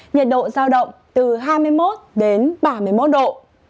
nhiệt độ giao động từ hai mươi một đến ba mươi một độ